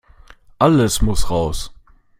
Alles muss raus.